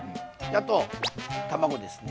あと卵ですね。